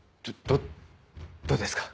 どどうですか？